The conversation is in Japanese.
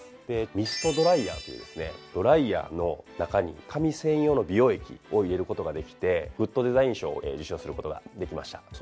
で「ミストドライヤー」というですねドライヤーの中に髪専用の美容液を入れることができてグッドデザイン賞を受賞することができました。